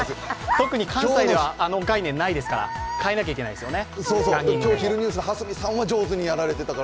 特に関西ではあの概念ないですから、変えなきゃいけないですよね